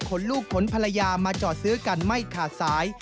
ลูกขนภรรยามาจอดซื้อกันไม่ขาดสาย